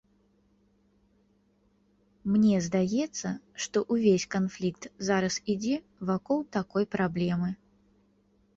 Мне здаецца, што ўвесь канфлікт зараз ідзе вакол такой праблемы.